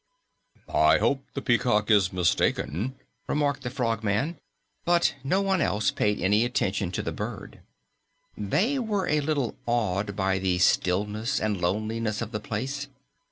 "I hope the peacock is mistaken," remarked the Frogman, but no one else paid any attention to the bird. They were a little awed by the stillness and loneliness of the place.